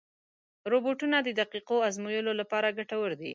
روبوټونه د دقیقو ازموینو لپاره ګټور دي.